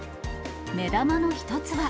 目玉の一つは。